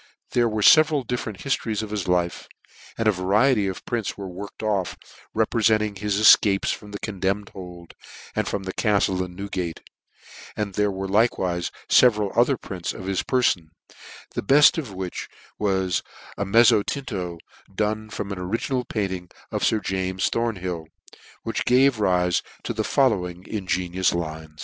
There were fcveral different hiftcries of his life; and a variety of prints were worked off, reprefenting his efcapcs from the condemned hold, and from the caftie in Newgate; and there were likewife feveral other prints of his perfon ; the belt of which was a mezzotinto, done from an original painting of Sir James Thornhill, which gave rife to the fol lowing ingenious lines.